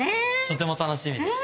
とても楽しみです。